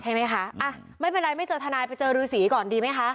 ใช่ไหมคะอ่ะมั้ยเวนไรไม่เจอธนายไปเจอรือสีก่อนดีมั้ยคะ